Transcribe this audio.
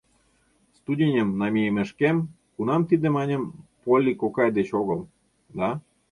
Студеньым намийымешкем, кунам тиде, маньым, Полли кокай деч огыл, да...